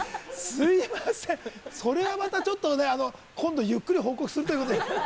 すみません、それはまたちょっとね、ゆっくり報告するということで。